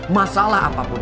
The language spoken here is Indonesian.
masalah apa pun